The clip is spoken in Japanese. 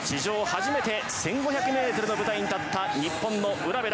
初めて１５００ｍの舞台に立った日本の卜部蘭。